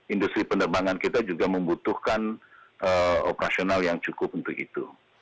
industri penerbangan kita juga membutuhkan operasional yang cukup untuk itu